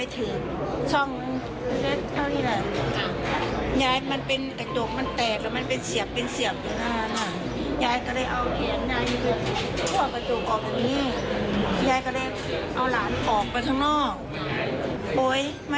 คุณผู้ชมไปฟังเสียงผู้รอดชีวิตกันหน่อยค่ะ